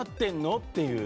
っていう。